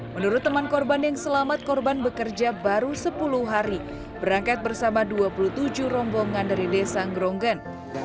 menurut teman korban yang selamat korban bekerja baru sepuluh hari berangkat bersama dua puluh tujuh rombongan dari desa ngerongen